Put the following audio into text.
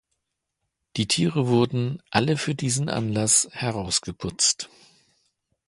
Die Tiere wurden, alle für diesen Anlass, herausgeputzt.